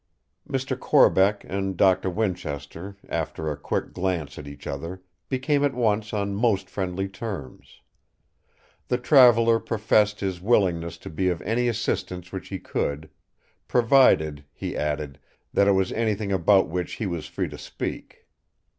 Mr. Corbeck and Doctor Winchester, after a quick glance at each other, became at once on most friendly terms. The traveller professed his willingness to be of any assistance which he could, provided, he added, that it was anything about which he was free to speak.